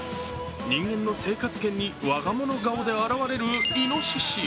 人間の生活圏に我が物顔で現れるいのしし。